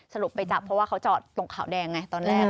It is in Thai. สรุปไปจับเพราะว่าเขาจอดตรงขาวแดงไงตอนแรก